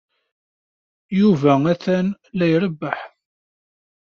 Yuba atan la irebbeḥ.